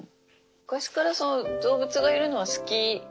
昔から動物がいるのは好き。